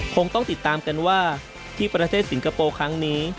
คงต้องติดตามกันว่าที่ประเทศสิงคโปร์ครั้งนี้